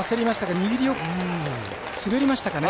握り、滑りましたかね。